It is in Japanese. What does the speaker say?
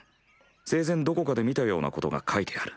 生前どこかで見たようなことが書いてある。